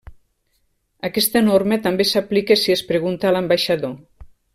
Aquesta norma també s'aplica si es pregunta a l'ambaixador.